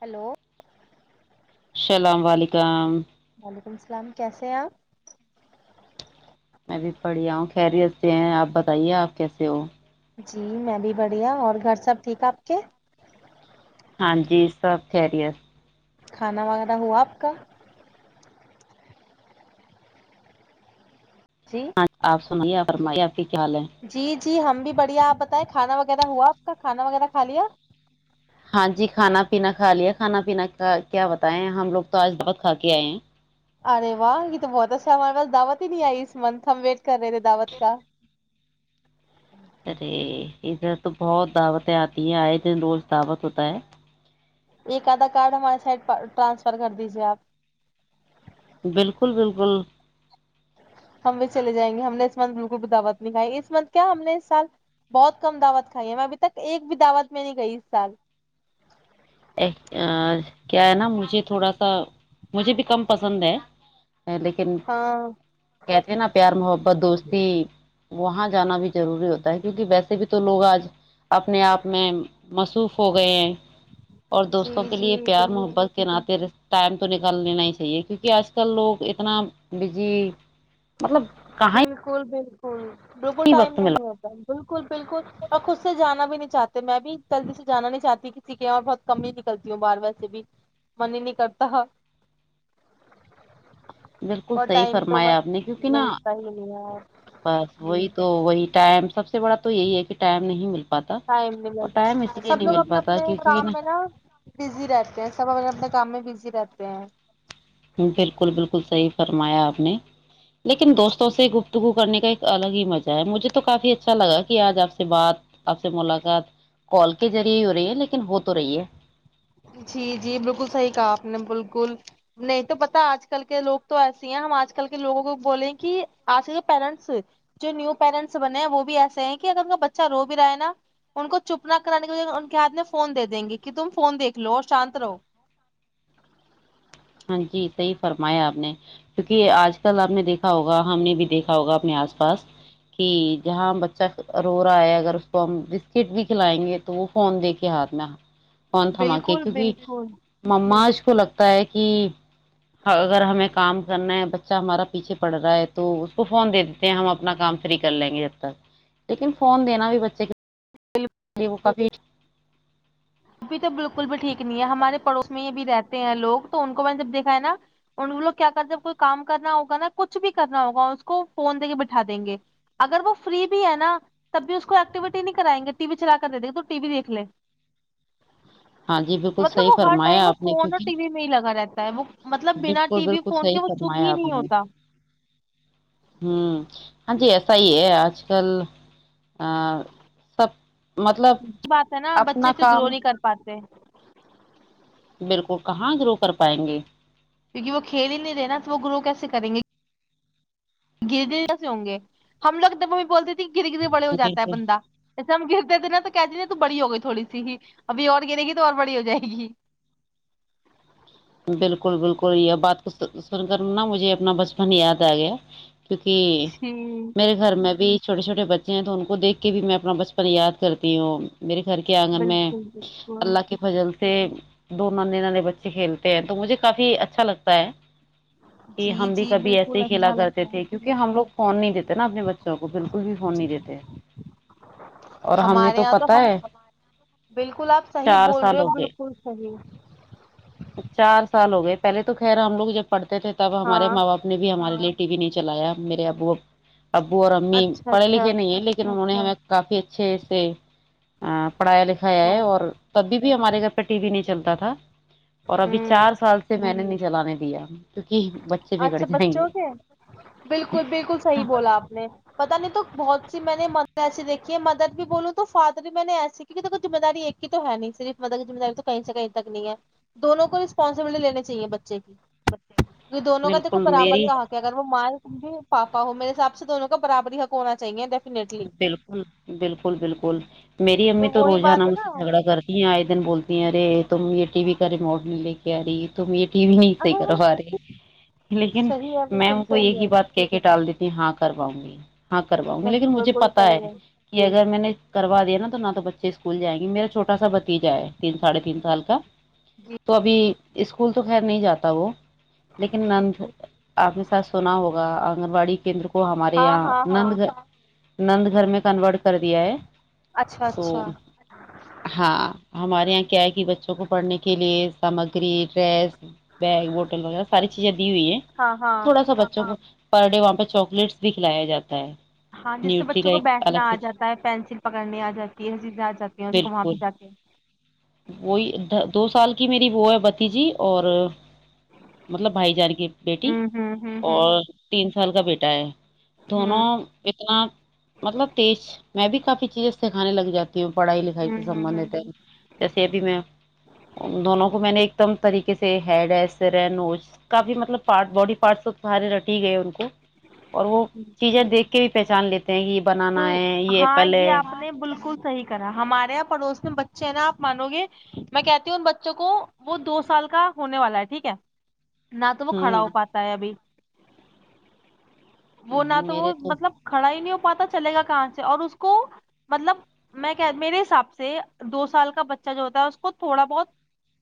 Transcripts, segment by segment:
Hello السلام علیکم وعلیکم السلام کیسے ہیں آپ میں بھی بڑھیا ہوں خیریت سے ہیں آپ بتائیے آپ کیسے ہو جی میں بھی بڑھیا اور گھر سب ٹھیک آپ کے ہاں جی سب خیریت کھانا وغیرہ ہوا آپ کا جی [inaudible] کیا حال ہے جی جی ہم بھی بڑھیا آپ بتائیں کھانا وغیرہ ہوا آپ کا کھانا وغیرہ کھا لیا ہاں جی کھانا پینا کھا لیا کھانا پینا کا کیا بتائے ہم لوگ تو آج بہت کھا کے آئے ہیں ارے واہ یہ تو بہت اچھا ہمارے پاس دعوت ہی نہیں آئی اس منتھ ہم ویٹ کر رہے تھے دعوت کا ارے ادھر تو بہت دعوتیں آتی آتی ہے آئے دن روز دعوت ہوتا ہے ایک آدھا کارڈ ہمارے سائڈ ٹرانسفر کر دیجیے آپ بالکل بالکل ہم بھی چلے جائیں گے ہم نے اس منتھ بالکل بھی دعوت نہیں کھائی اس منتھ کیا ہم نے اس سال بہت کم دعوت کھائی ہے میں ابھی تک ایک بھی دعوت میں نہیں گئی اس سال [inaudible] کیا ہے نا مجھے تھوڑا سا مجھے بھی کم پسند ہے لیکن ہاں کہتے ہیں نا پیار محبت دوستی وہاں جانا بھی ضروری ہوتا ہے کیونکہ ویسے بھی تو لوگ آج اپنے آپ میں مصروف ہو گئے ہیں اور دوستوں جی کے لیے جی پیار بالکل محبت کے ناطے ٹائم تو نکال لینا ہی چاہیے کیونکہ آج آج کل لوگ اتنا بجی بالکل بالکل بالکل بالکل ہی ٹائم وقت نہیں ملا ہوتا بالکل بالکل اور خود سے جانا بھی نہیں چاہتے میں بھی جلدی سے جانا نہیں چاہتی کسی کے یہاں بہت کم ہی نکلتی ہوں باہر ویسے بھی من ہی نہیں کرتا بالکل اور صحیح ٹائم تو فرمایا بس آپ نے کیونکہ نا ملتا ہی نہیں ہے بس وہی تو وہی ٹائم سب سے بڑا تو یہی ہے کہ ٹائم نہیں ملتا ٹائم مل گ سب لوگ اپنے پاتا اپنے کیونکہ کام میں نا بزی رہتے ہیں سب اپنے اپنے کام میں بزی رہتے ہیں بالکل بالکل صحی فرمایا آپ نے لیکن دوستوں سے گپت گپت کرنے کا ایک الگ ہی مزہ ہے مجھے تو کافی اچھا لگا کہ آج آپ سے بات آپ سے ملاقات کال کے ذریعے ہی ہو رہی ہے لیکن ہو تو رہی ہے جی جی بالکل صحیح کہا آپ نے بالکل نہیں تو پتا آج کل کے لوگ تو ایسے ہیں ہم آج کل کے لوگوں کو بولے کہ آج کل کے پیرنٹس جو نیو پیرنٹس بنے ہیں وہ بھی ایسے ہیں کہ اگر ان کا بچہ رو بھی رہا ہے نا ان کو چپ نہ کرانے کےج ان کے ہاتھ میں فون دے دیں گے کہ تم فون د لوور شانت رہو ہاں جی صحی فرمایا آپ نے کیونکہ آج کل آپ نے دیکھا ہوگا ہم نے بھی دیکھا ہوگا اپنے آس پاس کہ جہاں بچہ رو رہا ہے اگر اس کو ہم بسکٹ بھی کھلائیں گے تو وہ فون دے کے ہاتھ میں کون تھما کے بالکل کیونکہ بالکل مماج کو لگتا ہے کہ ایک اگر ہمیں کام کرنا ہے بچہ ہمارا پیچھے پڑ رہا ہے تو اس کو فون دے دیتے ہیں ہم اپنا کام فری کر لیں گے جب تک لیکن فون دینا بھی بچے کے وہ کاف ابھی تو بالکل بھی ٹھیک نہیں ہے ہمارے پڑوس میں یہ بھی رہتے ہیں لوگ تو ان کو میں نے جب دیکھا ہے نا ان لوگ کیا کرتے جب کوئی کام کرنا ہوگا نا کچھ بھی کرنا ہوگا اس کو فون دے کے بٹھا دیں گے اگر وہ فری بھی ہے نا تب بھی اس کو ایکٹیویٹی نہیں کرائیں گے ٹی وی چلا کر دے دیں گے تو ٹی وی دیکھ لے ہاں جی بالکل مطلب صحیح وہ ہر ٹائم فرمایا وہ آپ نے فون اور کیونکہ ٹی وی میں ہی لگا رہتا ت مو بالکل بالکل صحی فرمایا آپ نہیں نے ہوتا ہوں ہاں جی ایسا صحیح ہے آج کل آ سب مطلب ا بات ہے نا بچے اپنا پھر گرو کام نہیں کر پاتے بالکل کہاں دروح کر پائیں گے کیونکہ وہ کھیل ہی نہیں رہے نا تو وہ گروہ کیسے کریں گے گر سے ہوں گے ہم لوگ جب ہم بھی بولتے تھے گرے گر بڑ ہواتا ہے بالکل بندہ جسے ہم گر اتے دن تو کہ ج تو بڑی ہو گئی تھوڑی سی ہی ابھی اور گنے گی تو اور بڑی ہو جائے گی بالکل بالکل یہ بات کو سن کر نا مجھے اپنا بچپن یاد آ گیا کیونکہ جی میرے گھر میں بھی چھوٹے چھوٹے بچے تو ان کو دیکھ کے بھی میں اپنا بچپن یاد کرتی ہوں میرے گھر کے آنگن میں بالکل بالکل اللہ کے فضل سے دو نانے نانے بچے کھیل تو مجھے کافی اچھا لگتا ہے کہ جی ہم بھی جی کبھی ایسے بالکل ہی کھیلا اچھا کرتے لگتا تھے ہے کیونکہ جی۔ ہم لوگ فون نہیں دیتے نا اپنے بچوں کو بالکل بھی فون نہیں دیتے اور ہم نے ہمارے تو یہاں پتا ہم ہے بالکل آپ صحیح چار بول رہے سال ہو گئے بالکل صحیح سال ہو گئے پہلے تو خیر ہم لوگ جب پڑتے تھے تب ہمارے ہاں ماں باپ نے بھی ہمارے پے ٹی وی نہیں چلایا میرے ابو اب ابو اور امی اچھا پڑھے اچھا لکھے نہیں ہیں لیکن انہوں نے ہمیں کافی اچھے سے اپ پڑایا لکھایا ہے ہاں اور تبھی بھی ہمارے گھر پہ ٹی وی نہیں چلتا تھا ھا [unintelligible] اور ابھی ہوں چار سال سے میں نے چلاانے دیا کیونکہ بچے بگڑ اچھا جائیں گے بچوں کے بالکل بالکل صحیح بولا آپ نے پتا نہیں تو بہت ج میں نے مدر ایسی دیکھی ہے مدر بھی بولوں تو فادر بھی میں نے ایسی کیک دیک ذمہ داری ایک کی تو ہے نہیں صرف مدر کی ذمہ داری تو کہیں سے کہیں تک نہیں ہے دونوں کو ریسپانسبلٹی لیین چاہے بچے کی یہ دونوں کا دیکھو بالکل برابر میری کہاق ہے اگر وہ مائ جی پاپا ہو میرے حساب سے دونوں کا برابری حق ہونا چاہیے ڈیفینیٹلی بالکل بالکل بالکل میری امی تو وہی روزانہ بات ہے مس نا سے جھگڑا کرتی ہیں آئے بولتی ہیں ارے تم یہ ٹی وی کا ریموڈ نہیں لے کے آ رہی تم یہ ٹی نہیں صح ہاں کروا رہے لیکن صحیح ہے می بالکل ان کو صحیح ایک ہی ہے بات کہ کے ٹال دیتی ہاں کرواؤں گی ہاں کراؤ گے نہیں لیکن مھے بالکل پتا ہے صحیح کہ اگر میں نے کروا دیا نا تو نہ تو بچے اسکول جائ گے میرا چھوٹا سا بتیجا ہے تین ساھے تین سال کا جی تو ابھی اسکول تو خیر نہیں جاتا وہ لیکن جی نند جی آپ نے ساتھ سنا ہوگا آپ آن وای کیندر کو ہاں ہمارےاں ہاں ہاں نند گ نند گھر میں کنورٹ کر دیا ہے اچھا تو اچھا ہاں ہمارے یہاں کیا ہے کہ بچوں کو پڑھنے کے لیے سامگری ڈریس بیگ بوٹل وغیرہ ساری چیزیں ہوئی ہے ہاں ہاں تھوڑا سا بچوں کو پر ڈے وہاں پہ چواکلیٹس بھی کھلایا جاتا ہے ہاں جس سے نیوٹری بچوں کا کو ایک بیٹھنا الگ آ سے جاتا ہے پینسل پکڑنی آ جاتی ہے حیزیں آ جاتی ہیں اس کو وہاں بالکل پہ جا کے وہی دو سال کی میری وہ ہے بتی جی اور مطلب بھائی جان کی بیٹی ہوں ہوں ہوں ہوں اور تین سال کا بیٹا ہے دونوں ہوں مطلب تش میں بھی کافی چیزیں سے کھانے لگ جاتے وں پڑھائی لکھائی سے ہوں ہوں سبندت ہے ہوں جیسے ابھی میں دونوں کو میں نے طریقے سے ہیڈ ہے سر ہے نوز کافی مطلب پارٹس سارے رٹی ہی گئے ان کو اور وہ ہوں چیزیں دیکھ کے بھی پچان لیتے ہیں کہ یہ تو بنانا ہے یہ ہاں ایپل یہ ہے آپ نے بالکل صحیح کرا ہمارے پڑوس میں بچے ہیں نا آپ مانو گے میں کہتی ہوں ان بچوں کو وہ دو سال کا ہونے والا ہے ٹھیک ہے نہ تو وہ ہ کھڑا ہو پاتا ہے ابھی وہ نہ تو وہ مطلب کھڑا ہی نہیں ہو پاتا چلے گا کہاں سے اور اس کو مطلب میں میرے حساب سے دو سال کا بچہ جو ہوتا ہے اس کو تھوڑا بہت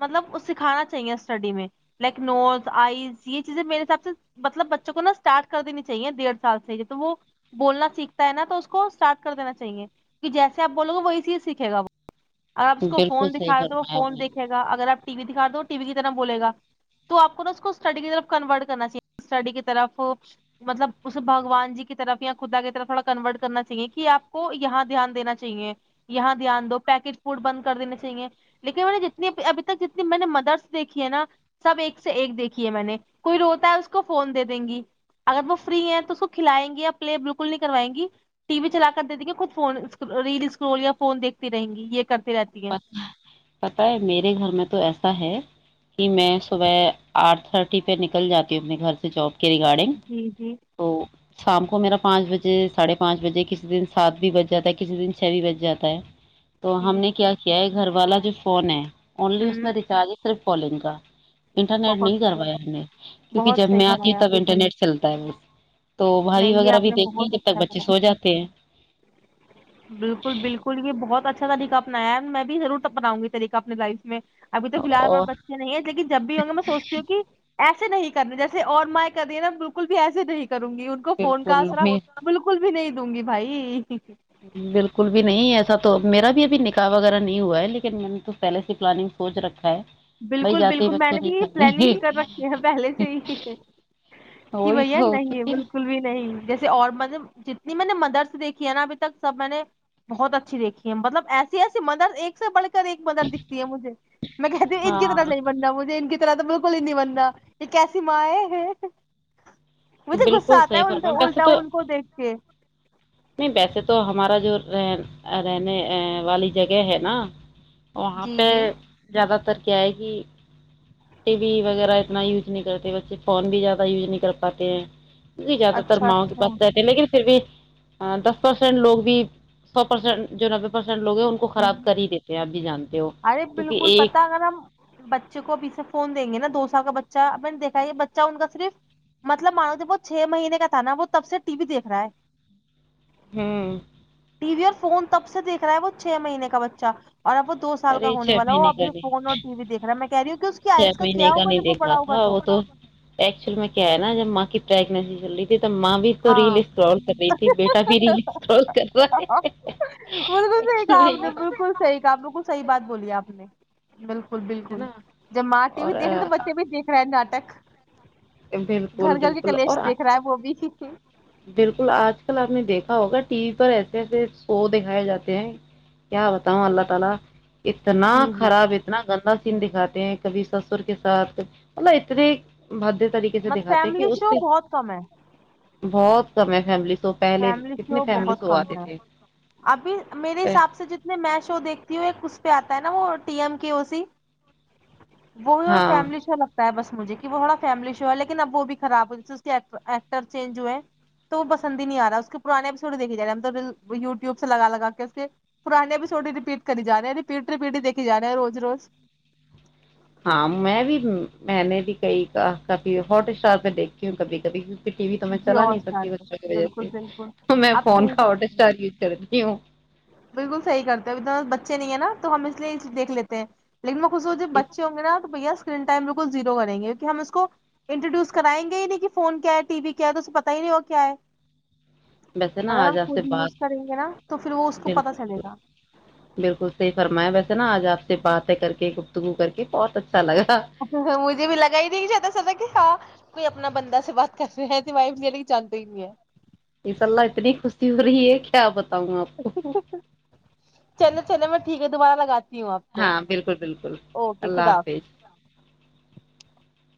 مطلب سکھانا چاہیے اسٹڈی میں لائک نوٹ آئیز یہ چیزیں میرے حساب سے مطلب بچوں کو نا اسٹارٹ کر دینی چاہیے ڈیڑھ سال سے تو وہ بولنا سھ ہوتا ہے نا تو اس کو اسٹارٹ کر دینا چاہیے کہ جیس آپ بولو گے وہی سیکھے گا وہ آپ اس کو بالکل فون صحیح دکھاائے تو وہ فرمایا آپ فون دیکھے گا اگر آپ ٹی وی دکھا دو ٹی وی کی طرف ب گا تو آپ کو نا اس کوٹی کی طرف کنورٹ کرنا چاہیے اسٹڈی کی طرف مطلب اس بھگوان جی کی طرف یا خدا کی طرف تھوڑا کرنا چاہے کہ آپ کو یہاں دھیان دینا چاہے یہاں دھیان دو پیکج فڈ بند کر دینا چاہیے لیکن میں نے ج ابھی تک جنی میں نے مدرس دیکھی ہے نا سب ایک سے ایک دیکھی ہے میں نے کوئی روتا ہے اس کو فون دے دیں گی اگر وہ فری ہے تو اس کو کھلائیں گے یا پے بالکل کروائیں گی ٹی وی چلا کر دے دیں گے خود ف ریل اسکرول یا فون دیکتی رہیں گی یہ کرتی رہتی ہیں پتا ہے میرے گھر میں تو ایسا کہ میں صبح آٹھ تھرٹی پہ نکل جاتی ہوں اپنے گھر سے جاب کے ریگارڈنگ جی جی تو س شام کو میرا پانچ بجے ساڑھے پانچ بجے کسی دن سات بھی بج جاتا ہے کسی دن چھ بھی بج جاتا ہے تو ہم جی نے جی کیا گھر والا جو فون ہے بہت صحیح بہت صحیح کرایا آپ [unintelligible] [inaudible] [unintelligible] [unintelligible] تو بھائی وغیرہ بھی دیکھتی ہیں جب تک بچے سو جاتے ہیں [unintelligible] [unintelligible] اور [unintelligible] [unintelligible] کو فون کا بالکل آسرا میں بالکل بھی نہیں دوں گی بھائی بالکل بھی نہیں ایسا تو تو میرا بھی ابھی نکاح وغیرہ نہیں ہوا ہے لیکن میں نے تو پہلے سے پلاننگ سوچ رکھا ہے بھائی بالکل جاتے ہی بالکل میں بچے نے بھی نہیں یہ پلاننگ کر کرنے رکھی ہیں پہلے سے ہی کہ وہی بھیا تو نہیں ہے کیونکہ بالکل بھی نہیں جیسے اور مب جتنی میں نے مدرس دیکھی ہے نا اھی تک سب میں نے بہت اچھی دیکھی ہے مطلب ایسی ایسی مدرس ایک سے بڑ کے ایک مدر دکھتی ہے مجھے میں کہتی ان کی ہاں طرح نہیں بننا مجھے کی طرح تو بالکل ہی نہیں بننا ایک ایسی ماں ہے مجھے غصہ بالکل آتا صحیح ہے فرما الٹا ویسے الٹا تو ان کو دیکھ کے نہیں ویسے تو ہمارا جو رہ رہنے والی جگہ ہے نا وہاں جی پہ جی زیادہ تر کیا ہے کہ ٹی وی وغیرہ اتنا یوز نہیں کرتے بچے فون بھی زیادہ یوز نہیں کر پات جی زیادہ تر اچھا ماؤں اچھا ہوں بات رہتےے لیکن پھر بھی دس پرسینٹ لوگ بھی سو پرسینٹ جو نبے پرسینٹ لوگ ہیں ان کو خراب کر ہی دیتے ہیں آپ بھی جانتے ہیں ارے بالکل پتا اگر ہم بچے کو ابھی سے فون دیں گے نا دوست کا بچہ میں نے دیکھا یہ بچہ ان کا صرف مطلب مانو کہ وہ چھ مہینے کا تھا نا وہ تب سے ٹی وی دیکھ رہا ہے ہاں ٹی وی اور فون تب سے دیکھ رہا ہے وہ چھ مہینے کا بچہ اور اب وہ سال کا ارے ہونے چھ والا وہ مہینے ابھی فون اور ٹیی دیکھ رہا میں کہ رہیوں کہ اس کی اچھا آئز کا میں نے کیا کاا ہوگا نہیں جب وہ دیکھا بڑا ہوگا تھا وہ تو ایکچوئل میں کیا ہے نا جب کی پریگننسی چل رہی ماں بھی تو ریل ہاں اسٹرال کر رہی تھی بیٹا بھی ریل اسرول کر رہا ہے بالکل صحیح کہا آپ نے بالکل صحیح کہا صحیح بات بولی آپ نے بالکل بالکل ہے بالکل نا جب ماں ٹی وی دیکھ رہے تو اور بچے بھی دیک رہا ہے ناٹک گھر بالکل گھر کے بالکل کلیش اور دیکھ آج رہا ہے کل وہ بھی بالکل آج کل آپ نے دیکھا ہوگا ٹی وی پر ایسے ایسے شو دکھائے جاتے ہیں کیا بتاؤں اللہ تعالی اتنا جی خراب اتنا گندا سین دکھاتے ہیں کبھی سسر کے ساتھ مطلب اتنے بھدے طریقے سے مل دکھاتے ہیں کہ فیملی اس شو سے بہت کم ہے بہت کم ہے فیملی شو پہلے فیملی کتنے شو فیملی بہت شو کم آتے ہے تھے ابھی میرے حساب سے جتنے میں شو دیکھتی ہوں ایک اس پہ آتا ہے نا وہ T M K O C وہی اور ہاں فیملی اچھا لگتا ہے بس مجھے کہ وہ تھڑا فیملی شو ہے لیکن اب وہ بھی خراب ہو ج ایکٹر چینج ہو ہے تو وہ بسند نہیں آ رہا اس کے پرانسڈ دیک جا رہے ہمیوٹیوب سے لگا لگا کے اس کے پرانے اپسڈ رپیٹ کر جا رہے ہیں رپیٹ رپیٹ دیکے جاے ہیں روز روز ہاں میں بھی میں نے بھی کئی کبھی ہٹ اسٹار پہ دیکھی ہوں کبھی کبھی ٹی وی تو میں چلا جیو ہاٹ نہیں اسٹار سکتی پہ بچوں کی وجہ بالکل بالکل سے میں آپ فون صحیح کا آٹ کرتے ہیں اسٹار یوز کرتی ہوں بالکل صحیح کرتے ہیں ات بچے نہیں ہے نا تو ہم اس لیے دیکھ لیتے ہیں لیکن میں خچھ ہو جب اس بچے ہوں گ نا تو بیس ٹائم بک زیرو کریں گے کی ہم اس کو انٹروڈیوس کرائیں گے ہی نہیں کہ فون کیا ہے ٹی وی کیا ہے اسے پت ہی نہیں ہو کیا ہے ویسے نا اگر ہم آج آپ سے خود بات یوز کریں گے نا تو وہ اس کو پتا بالکل چلے گا بالکل بالکل سحی فرما ویسے نا آج آ سے باتیں کر کے گپتگو کر کے بہت اچھا لگا اچا مجھے بھی لگا ہی نہیں جات سب ہاں کوئی اپنا بندہ سے بات کر رہ ہیں تو وائف لینے کی جانتے ہی نہیں ہے اسس اللہ اتنی خوشی ہو رہی ہے کیا بتا تو آپ چلو چلو میں ٹھیک ہے دوارہگا ہاں بالکل بالکل اللہ حافظ